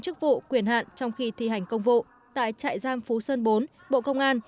chức vụ quyền hạn trong khi thi hành công vụ tại trại giam phú sơn bốn bộ công an